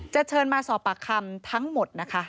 จะเชิญมาสอบปากคำทั้งหมด